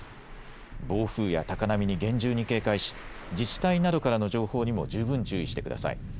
暴風や高波に厳重に警戒し自治体などからの情報にも十分注意してください。